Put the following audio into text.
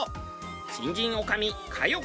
新人女将佳代子